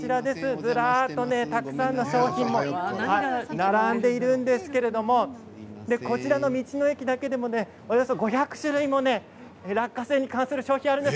ずらりといろんな商品が並んでいるんですがこちらの道の駅だけでも５００種類も落花生に関する商品があるんです。